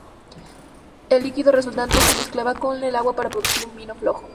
El líquido resultante se mezclaba con más agua para producir un vino flojo.